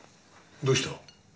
どうした？